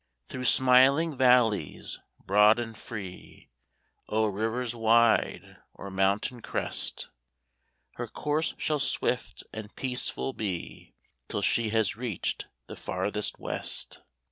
Through smiling valleys, broad and free, O'er rivers wide, or mountain crest, Her course shall swift and peaceful be, Till she has reached the farthest West.